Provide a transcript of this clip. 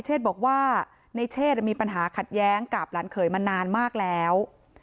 เชศบอกว่าในเชศมีปัญหาขัดแย้งกับหลานเขยมานานมากแล้ว